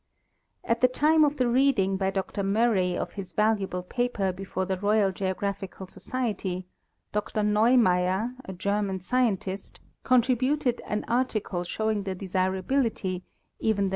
At the time of the reading by Dr Murray of his valuable paper before the Royal Geographical Society, Dr Neumayer, a German scientist, contributed an article showing the desirability, even the The Need of Observations.